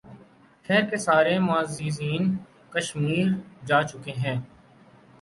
شہر کے سارے معززین کشمیر جا چکے ہیں